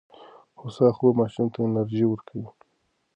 هوسا خوب ماشوم ته انرژي ورکوي.